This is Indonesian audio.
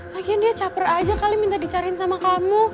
akhirnya dia caper aja kali minta dicariin sama kamu